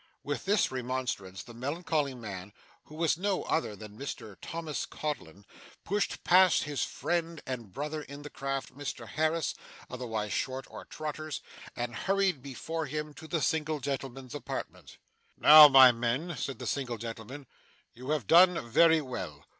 With this remonstrance, the melancholy man, who was no other than Mr Thomas Codlin, pushed past his friend and brother in the craft, Mr Harris, otherwise Short or Trotters, and hurried before him to the single gentleman's apartment. 'Now, my men,' said the single gentleman; 'you have done very well.